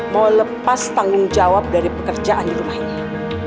mau lepas tanggung jawab dari pekerjaan di rumah ini